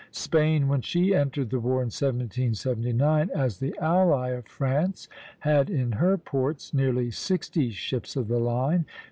Spain, when she entered the war in 1779 as the ally of France, had in her ports nearly sixty ships of the line.